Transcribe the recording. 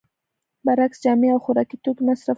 برعکس جامې او خوراکي توکي مصرفوي